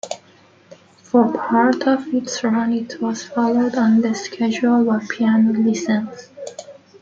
For part of its run it was followed on the schedule by "Piano Lessons".